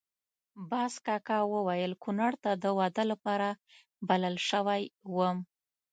باز کاکا ویل کونړ ته د واده لپاره بلل شوی وم.